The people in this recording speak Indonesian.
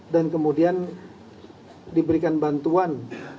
dan kemudian diberikan bantuan